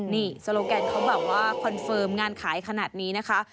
นี่โซโลแกนเขาแบบว่าคอนเฟิร์มงานขายขนาดนี้นะคะ